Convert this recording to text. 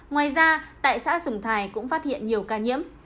ngoài ra tại xã sùng thái cũng phát hiện nhiều ca nhiễm